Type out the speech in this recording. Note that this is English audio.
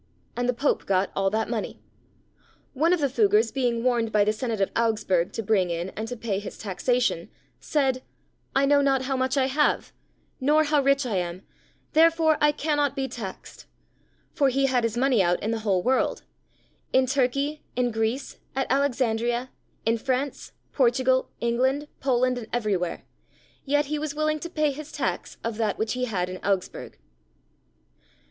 And the Pope got all that money. One of the Fuggars being warned by the Senate of Augsburg to bring in and to pay his taxation, said, "I know not how much I have, nor how rich I am, therefore I cannot be taxed;" for he had his money out in the whole world—in Turkey, in Greece, at Alexandria, in France, Portugal, England, Poland, and everywhere, yet he was willing to pay his tax of that which he had in Augsburg.